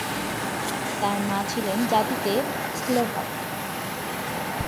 তার মা ছিলেন জাতিতে স্লোভাক।